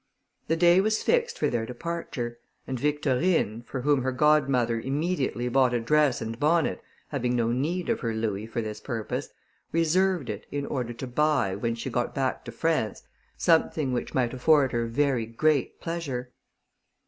The day was fixed for their departure; and Victorine, for whom her godmother immediately bought a dress and bonnet, having no need of her louis for this purpose, reserved it, in order to buy, when she got back to France, something which might afford her very great pleasure.